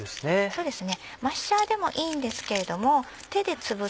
そうですね。